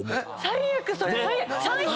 最悪！